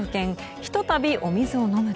ひと度、お水を飲むと。